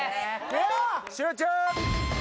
集中！